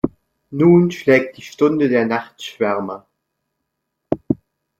Nun schlägt die Stunde der Nachtschwärmer.